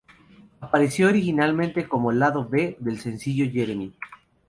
Apareció originalmente como lado B del sencillo "Jeremy".